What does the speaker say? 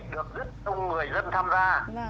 được rất nhiều người dân tham gia